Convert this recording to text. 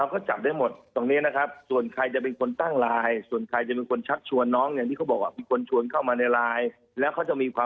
ก็ตามที่น้องเขาเนี่ยบอกว่า